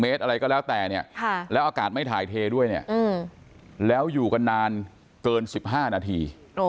เมตรอะไรก็แล้วแต่เนี่ยแล้วอากาศไม่ถ่ายเทด้วยเนี่ยแล้วอยู่กันนานเกิน๑๕นาที